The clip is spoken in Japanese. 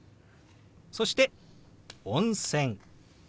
そして「温泉」。